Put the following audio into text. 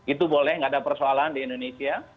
itu boleh nggak ada persoalan di indonesia